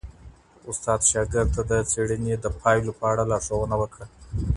استاد شاګرد ته د څيړني د پایلو په اړه لارښوونه وکړه.